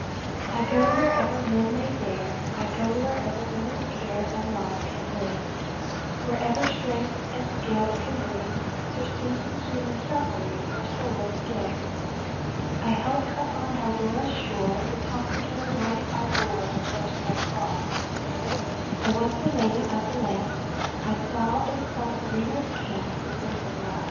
I go wherever men may dare, I go wherever woman's care And love can live, Wherever strength and skill can bring Surcease to human suffering, Or solace give. I helped upon Haldora's shore; With Hospitaller Knights I bore The first red cross; I was the Lady of the Lamp; I saw in Solferino's camp The crimson loss.